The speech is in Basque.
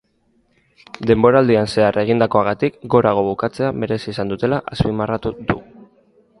Denboraldian zehar egindakoagatik gorago bukatzea merezi izan dutela azpimarratu du.